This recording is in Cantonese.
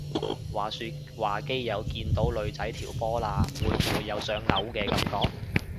話說話基友見到女仔條波罅會唔會有想嘔嘅感覺？